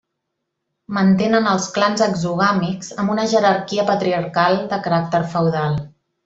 Mantenen els clans exogàmics amb una jerarquia patriarcal de caràcter feudal.